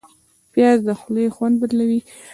پیاز د خولې خوند بدلوي